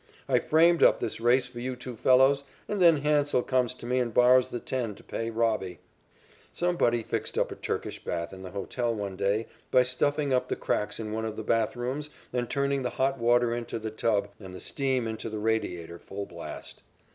"I framed up this race for you two fellows, and then Hansell comes to me and borrows the ten to pay 'Robbie.'" Somebody fixed up a Turkish bath in the hotel one day by stuffing up the cracks in one of the bathrooms and turning the hot water into the tub and the steam into the radiator full blast.